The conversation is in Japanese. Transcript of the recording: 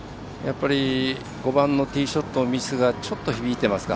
５番のティーショットのミスがちょっと響いていますか。